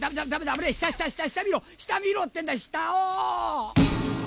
危ねぇ下下下見ろ下見ろってんだ下を！